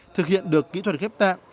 thực hiện được kỹ thuật ghép tạng